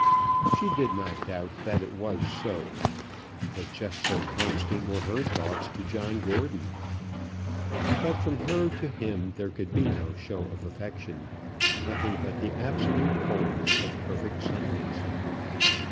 She did not doubt that it was so; but just so constant were her thoughts to John Gordon. But from her to him there could be no show of affection nothing but the absolute coldness of perfect silence.